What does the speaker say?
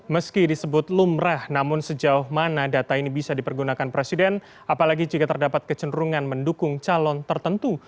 meski disebut lumrah namun sejauh mana data ini bisa dipergunakan presiden apalagi jika terdapat kecenderungan mendukung calon tertentu